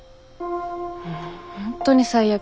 もう本当に最悪。